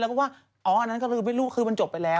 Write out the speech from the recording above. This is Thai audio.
เราก็ลืมลูกคือมันจบไปแล้ว